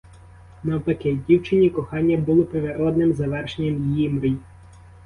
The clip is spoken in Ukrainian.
Навпаки, дівчині кохання було природним завершенням її мрій.